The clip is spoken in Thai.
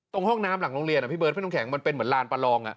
ห้องน้ำหลังโรงเรียนอ่ะพี่เบิร์ดพี่น้ำแข็งมันเป็นเหมือนลานประลอง